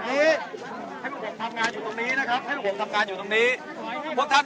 เจ้าคู่ก่อนหลังจากน้องขงนั้น